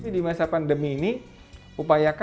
di masa pandemi ini upayakan